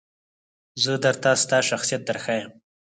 زه درته ستا شخصیت درښایم .